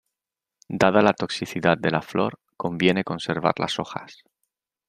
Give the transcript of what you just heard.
Dada la toxicidad de la flor, conviene conservar las hojas.